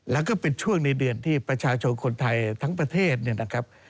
แล้วก็เป็นช่วงในเดือนที่ประชาชนคนไทยทั้งประเทศเนี่ยนะครับ